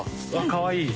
かわいい。